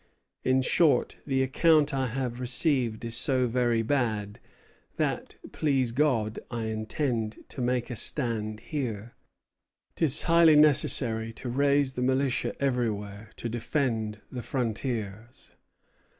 In short, the account I have received is so very bad, that as, please God, I intend to make a stand here, 'tis highly necessary to raise the militia everywhere to defend the frontiers."